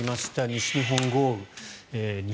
西日本豪雨。